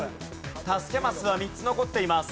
助けマスは３つ残っています。